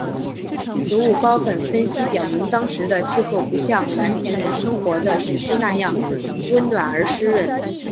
植物孢粉分析表明当时的气候不像蓝田人生活的时期那样温暖而湿润。